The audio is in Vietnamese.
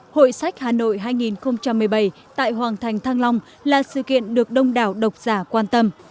hội sách hà nội hai nghìn một mươi bảy tại hoàng thành thăng long là sự kiện được đông đảo độc giả quan tâm